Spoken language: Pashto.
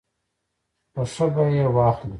په ښه بیه یې واخلي.